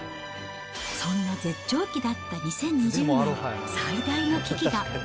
そんな絶頂期だった２０２０年、最大の危機が。